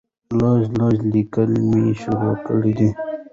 لږ لږ ليکل مې شروع کړي دي